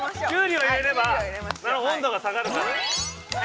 ◆キュウリを入れれば、温度が下がるから、なるほど。